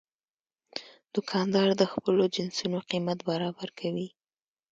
دوکاندار د خپلو جنسونو قیمت برابر کوي.